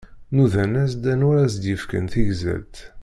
Nudan-as-d anwa ara s-d-ifken tigẓelt.